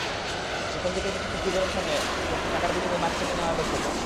প্রথম দিকের কিছু খুপরিঘরের সামনে চলছে টাকার বিনিময়ে মাছ কেটে নেওয়ার ব্যস্ততা।